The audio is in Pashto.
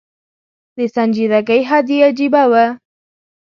د سنجیدګۍ حد یې عجېبه و.